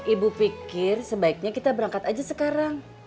ibu pikir sebaiknya kita berangkat aja sekarang